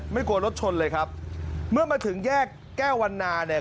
กลัวรถชนเลยครับเมื่อมาถึงแยกแก้ววันนาเนี่ย